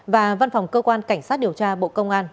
và văn phòng cơ quan cảnh sát điều tra bộ công an